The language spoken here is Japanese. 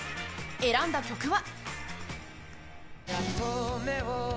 選んだ曲は。